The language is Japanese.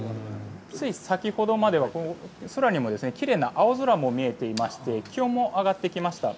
つい先ほどまでは、空にも奇麗な青空も見えていまして気温も上がってきました。